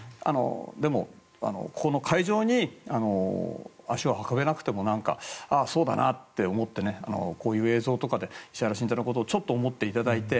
でも、この会場に足を運べなくてもそうだなと思ってこういう映像とかで石原慎太郎のことをちょっと思っていただいて。